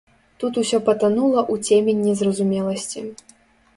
Тут усё патанула ў цемень незразумеласці.